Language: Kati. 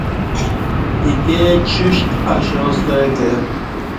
ایکے چشت اشاستہ کہ